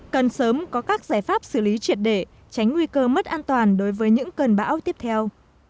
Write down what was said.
cần sớm có các giải pháp xử lý triệt để tránh nguy cơ mất an toàn đối với những cơn bão tiếp theo